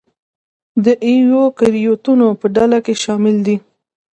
د ایوکریوتونو په ډله کې شامل دي.